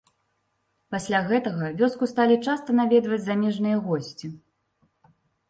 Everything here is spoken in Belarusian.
Пасля гэтага вёску сталі часта наведваць замежныя госці.